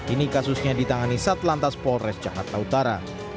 ini kasusnya ditangani saat lantas polres jakarta utara